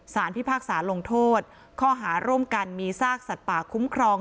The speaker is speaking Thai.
พิพากษาลงโทษข้อหาร่วมกันมีซากสัตว์ป่าคุ้มครอง